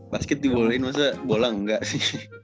basket dibolehin masa bola engga sih